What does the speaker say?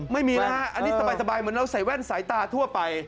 ไม่มีนะฮะอันนี้สบายเหมือนเราใส่แว่นสายตาทั่วไป